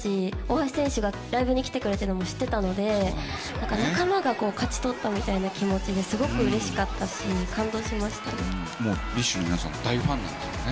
私たち、大橋選手がライブに来てくれているのも知っていたので、仲間が勝ち取ってくれたみたいで、すごくうれしかったし、感動しました。